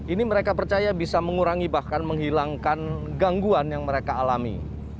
ini mereka percaya bisa mengurangi bahkan menghilangkan gangguan yang mereka alami